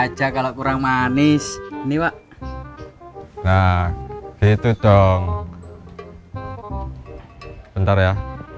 tidak ada kalau kurang manis ini wak nah gitu dong bentar ya